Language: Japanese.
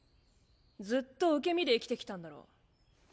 ずっと受け身で生きてきたんだろ。